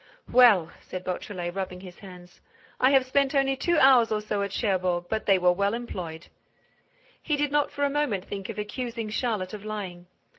"Well," said Beautrelet, rubbing his hands, "I have spent only two hours or so at Cherbourg, but they were well employed." He did not for a moment think of accusing Charlotte of lying.